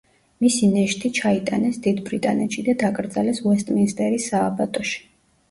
მისი ნეშთი ჩაიტანეს დიდ ბრიტანეთში და დაკრძალეს უესტმინსტერის სააბატოში.